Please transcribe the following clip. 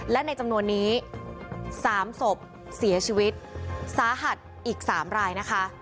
และในจำนวนนี้๓ศพเสียชีวิตสาหัสอีก๓รายนะคะ